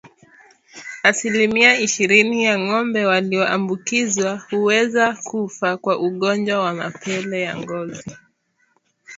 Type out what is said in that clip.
Asilimia ishirini ya ngombe walioambukizwa huweza kufa kwa ugonjwa wa mapele ya ngozi